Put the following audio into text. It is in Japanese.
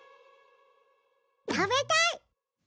食べたい！